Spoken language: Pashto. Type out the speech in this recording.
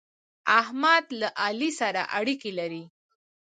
احمد له علي سره اړېکې لري.